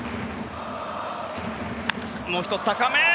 もう１つ高め。